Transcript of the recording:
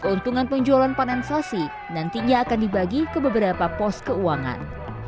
keuntungan penjualan panen sasi nantinya akan dibagi ke beberapa pos keuangan